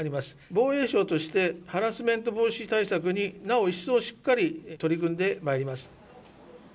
防衛省として、ハラスメント防止対策になお一層、しっかり取り組んでまいります。